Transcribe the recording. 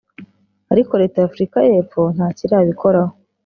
ariko leta ya Afurika y’epfo ntacyo irabikoraho